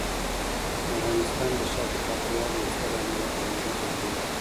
د افغانستان د شاته پاتې والي یو ستر عامل ګاونډي جګړې دي.